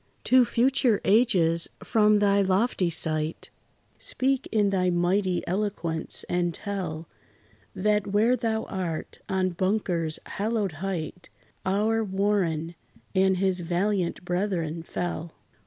To future ages, from thy lofty site, Speak in thy mighty eloquence, and tell That where thou art, on Bunker's hallowed height, Our WARREN and his valiant brethren fell.